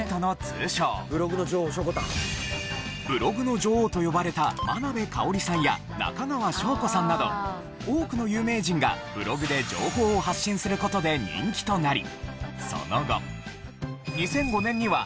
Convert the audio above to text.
ブログの女王と呼ばれた眞鍋かをりさんや中川翔子さんなど多くの有名人がブログで情報を発信する事で人気となりその後２００５年には。